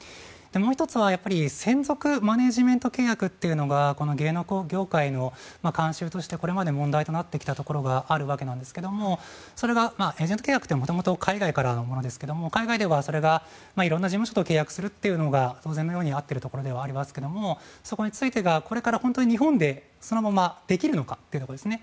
もう１つは専属マネジメント契約というのがこの芸能業界の慣習としてこれまで問題となってきたところがあるわけですがそれがエージェント契約って元々、海外からのものですが海外ではそれが色んな事務所と契約するというのが当然のようにあっているところではありますがそこについてこれから日本でそのままできるのかということですね。